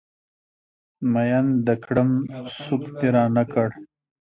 ميين د کړم سوک د رانه کړ